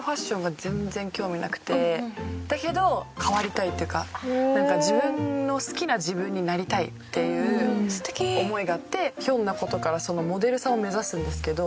だけど変わりたいっていうか自分の好きな自分になりたいっていう思いがあってひょんな事からモデルさんを目指すんですけど。